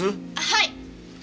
はい！